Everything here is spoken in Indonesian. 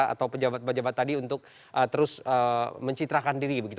atau pejabat pejabat tadi untuk terus mencitrakan diri begitu